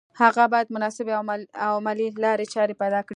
هغه بايد مناسبې او عملي لارې چارې پيدا کړي.